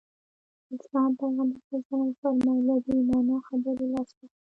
د اسلام پيغمبر ص وفرمايل له بې معنا خبرو لاس واخلي.